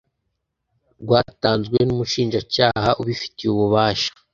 rwatanzwe n umushinjacyaha ubifitiye ububasha